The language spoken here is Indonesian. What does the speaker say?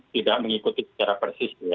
tidak mengikuti secara persis ya